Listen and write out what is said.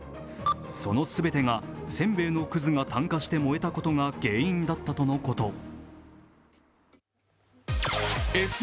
その全てが煎餅のくずが炭化して燃えたことが原因だったとのこと。